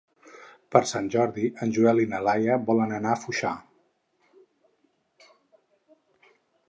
Per Sant Jordi en Joel i na Laia volen anar a Foixà.